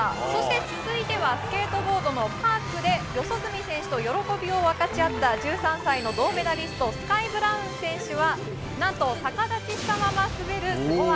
続いてスケートボードのパークで四十住選手と喜びを分かち合った１３歳の銅メダリストスカイ・ブラウン選手は何と逆立ちしたまま滑るスゴ技！